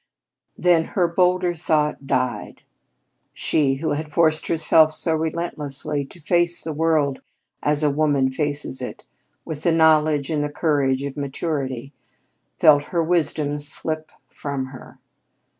Then her bolder thought died. She, who had forced herself so relentlessly to face the world as a woman faces it, with the knowledge and the courage of maturity, felt her wisdom slip from her.